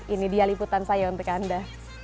ini dia liputan saya untuk anda